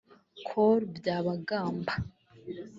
Col Byabagamba